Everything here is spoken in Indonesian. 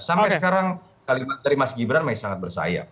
sampai sekarang kalimat dari mas gibran masih sangat bersayap